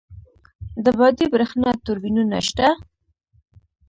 د بادی بریښنا توربینونه شته؟